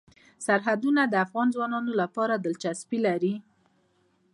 سرحدونه د افغان ځوانانو لپاره دلچسپي لري.